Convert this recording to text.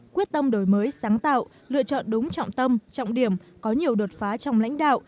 quyết tâm đổi mới sáng tạo lựa chọn đúng trọng tâm trọng điểm có nhiều đột phá trong lãnh đạo